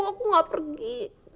aku nggak pergi